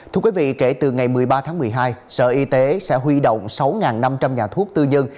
thưa quý vị kể từ ngày một mươi ba tháng một mươi hai sở y tế sẽ huy động sáu năm trăm linh nhà thuốc tư nhân